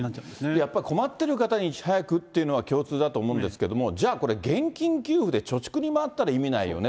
やっぱり困ってる方にいち早くというのは共通だと思うんですけれども、じゃあ、これ、現金給付で貯蓄に回ったら意味ないよね。